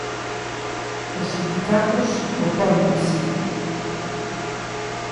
Os sindicatos opóñense.